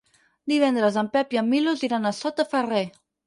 Divendres en Pep i en Milos iran a Sot de Ferrer.